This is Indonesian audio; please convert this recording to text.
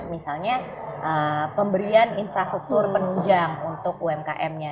misalnya pemberian infrastruktur penunjang untuk umkm nya